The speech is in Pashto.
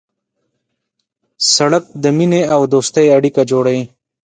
سړک د مینې او دوستۍ اړیکه جوړوي.